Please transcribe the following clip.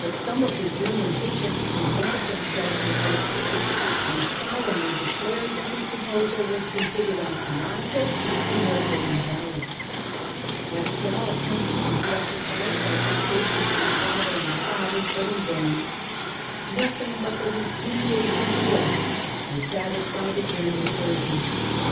But some of the German bishops presented them selves before the pope, and solemnly declared that his proposal was considered uncanonical and therefore in valid. Pascal attempted to justify it by quotations from the Bible and the Fathers, but in vain. Nothing but the repudiation of the oath would satisfy the German clergy.